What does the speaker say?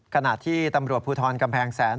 ขณะที่ตำรวจภูทรกำแพงแสน